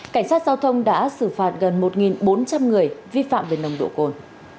cảnh sát giao thông đã xử phạt gần một bốn trăm linh người vi phạm về nồng độ cồn